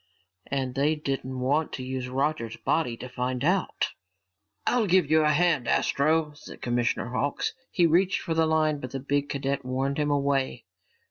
And they didn't want to use Roger's body to find out! "I'll give you a hand, Astro," said Commissioner Hawks. He reached for the line, but the big cadet warned him away.